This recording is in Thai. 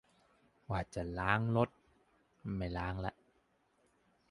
ว่าจะล้างรถ ไม่ล้างละ